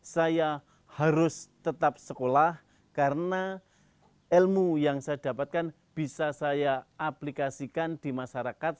saya harus tetap sekolah karena ilmu yang saya dapatkan bisa saya aplikasikan di masyarakat